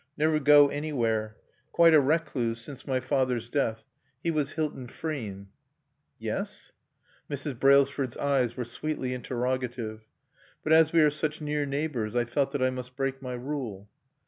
"Never go anywhere.... Quite a recluse since my father's death. He was Hilton Frean." "Yes?" Mrs. Brailsford's eyes were sweetly interrogative. "But as we are such near neighbors I felt that I must break my rule."